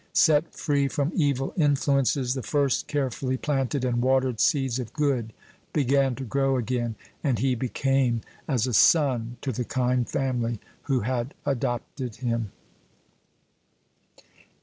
Set free from evil influences, the first carefully planted and watered seeds of good began to grow again, and he became as a son to the kind family who had adopted him.